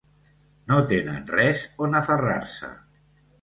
No tenen res on aferrar-se.